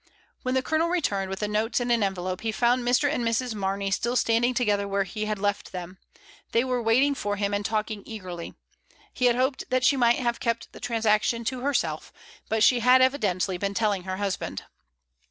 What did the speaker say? When the Colonel returned, with the notes in an envelope, he found Mr. and Mrs. Mamey still standing together where he had left them; they were waiting for him and talking eagerly. He had hoped that she might have kept the transaction to herself, but she had evidently been telling her hus band.